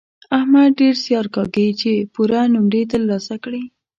احمد ډېر زیار کاږي چې پوره نومرې تر لاسه کړي.